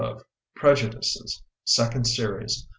Prejudices. Second Series.